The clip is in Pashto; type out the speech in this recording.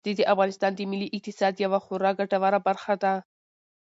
غزني د افغانستان د ملي اقتصاد یوه خورا ګټوره برخه ده.